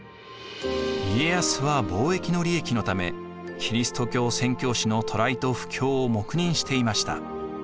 家康は貿易の利益のためキリスト教宣教師の渡来と布教を黙認していました。